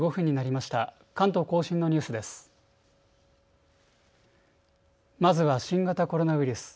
まずは新型コロナウイルス。